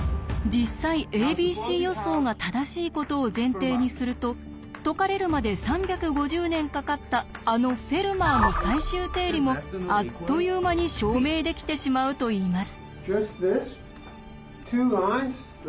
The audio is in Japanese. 実際「ａｂｃ予想」が正しいことを前提にすると解かれるまで３５０年かかったあの「フェルマーの最終定理」もあっという間に証明できてしまうといいます。